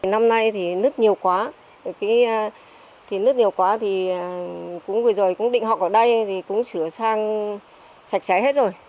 năm nay thì nứt nhiều quá thì nứt nhiều quá thì vừa rồi cũng định học ở đây thì cũng sửa sang sạch sẽ hết rồi